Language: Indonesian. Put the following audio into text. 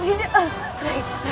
mendapatkan obat yang tawar ini